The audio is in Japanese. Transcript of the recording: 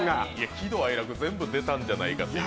喜怒哀楽全部出たんじゃないかっていう。